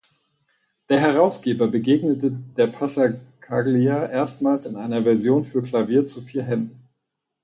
Der Herausgeber begegnete der Passacaglia erstmals in einer Version für Klavier zu vier Händen.